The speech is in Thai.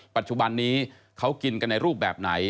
ปัจจุบันนี้เขากินกันในรูปแบบไหน